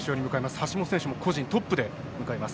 橋本選手も個人トップで迎えます。